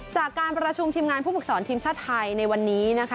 จากการประชุมทีมงานผู้ฝึกสอนทีมชาติไทยในวันนี้นะคะ